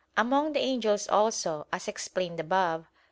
Among the angels also, as explained above (Q.